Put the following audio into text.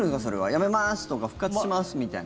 やめますとか復活しますみたいな。